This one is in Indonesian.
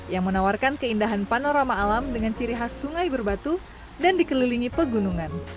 yang menawarkan keindahan panorama alam dengan ciri khas sungai berbatu dan dikelilingi pegunungan